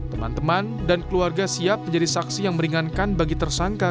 teman teman dan keluarga siap menjadi saksi yang meringankan bagi tersangka